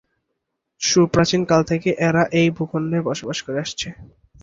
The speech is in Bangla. সুপ্রাচীন কাল থেকেই এরা এই ভূখন্ডে বসবাস করে আসছে।